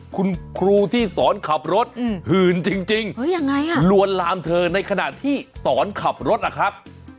คุณครูที่สอนขับรถหื่นจริงลวนลามเธอในขณะที่สอนขับรถล่ะครับ